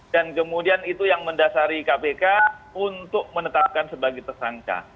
dan kemudian itu yang mendasari kpk untuk menetapkan sebagai tersangka